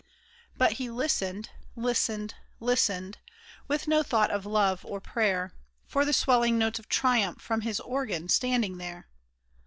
But he listened, listened, listened, with no thought of love or prayer, For the swelling notes of triumph from his organ standing there.